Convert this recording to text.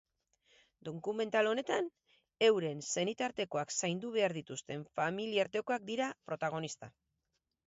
Dokumental honetan euren senitartekoak zaindu behar dituzten familiartekoak dira protagonista.